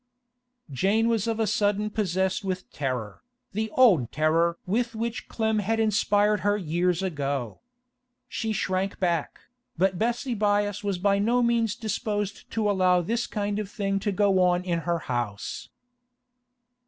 Jane was of a sudden possessed with terror, the old terror with which Clem had inspired her years ago. She shrank back, but Bessie Byass was by no means disposed to allow this kind of thing to go on in her house.